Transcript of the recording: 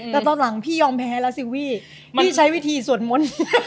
แต่ตอนหลังพี่ยอมแพ้แล้วสิวี่พี่ใช้วิธีสวดมนต์